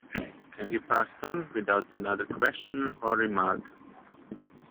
And he passed on without another question or remark.